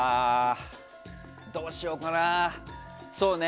どうしようかな。